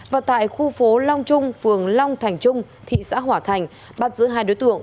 và tại khu phố long trung phường long thành trung thị xã hỏa thành bắt giữ hai đối tượng